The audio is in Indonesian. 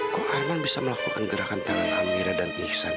kok arman bisa melakukan gerakan tangan amira dan ihsan itu